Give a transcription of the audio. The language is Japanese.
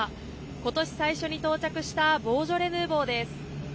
今年最初に到着したボージョレ・ヌーボーです。